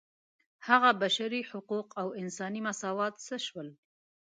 هغه بشري حقوق او انساني مساوات څه شول.